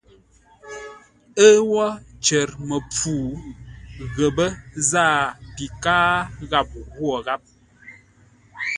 Ə́ wó cər məpfû, ghəpə́ záa pi káa gháp ghwó gháp.